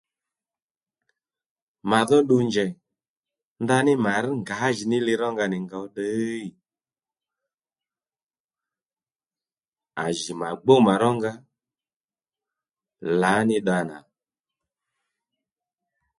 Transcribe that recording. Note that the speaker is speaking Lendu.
Mà dhó ddu njèy ndaní mà rŕ ngǎjìní li rónga nì ngǒw ddiy? À jì mà gbú mà rónga lǎní dda nà